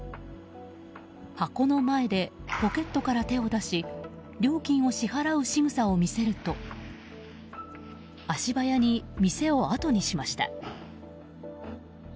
箱の前でポケットから手を出し料金を支払うしぐさを見せると足早に店をあとにしました。